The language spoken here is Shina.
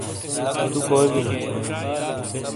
تُو کوئی بیلو!